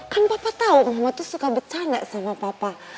kan papa tahu mama tuh suka bercanda sama papa